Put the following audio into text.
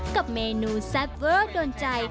กับเมนูแซ่บเวอร์โดนใจ